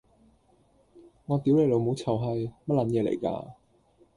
我屌你老母臭閪，咩撚嘢嚟㗎？